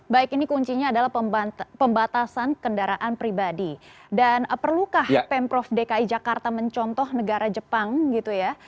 baik ini kuncinya adalah pembatasan kendaraan pribadi dan perlukah pemprov dki jakarta mencontoh negara jepang gitu ya